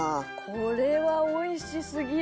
これはおいしすぎる！